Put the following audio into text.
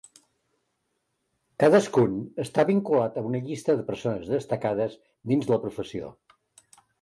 Cadascun està vinculat a una llista de persones destacades dins la professió.